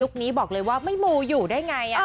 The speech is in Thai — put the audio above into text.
นี้บอกเลยว่าไม่มูอยู่ได้ไง